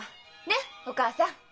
ねっお母さん？